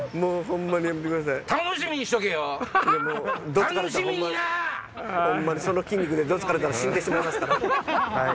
ホンマにその筋肉でど突かれたら死んでしまいます。